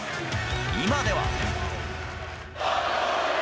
今では。